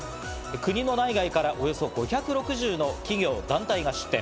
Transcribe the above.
国の内外からおよそ５６０の企業・団体が出展。